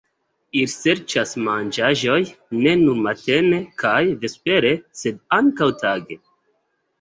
Ili serĉas manĝaĵon ne nur matene kaj vespere, sed ankaŭ tage.